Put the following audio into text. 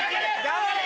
頑張れ！